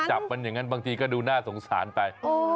จับมันอย่างนั้นบางทีก็ดูน่าสงสารไป